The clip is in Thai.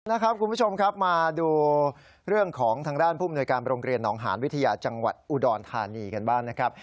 นะครับคุณผู้ชมครับมาดูเรื่องของทางด้านผู้มนวยการโรงเรียนหนองหานวิทยาจังหวัดอุดรธานีกันบ้างนะครับ